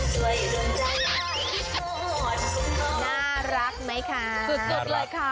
น่ารักไหมคะสุดเลยค่ะ